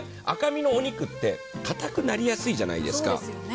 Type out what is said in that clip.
赤身のお肉ってかたくなりやすいじゃないですか。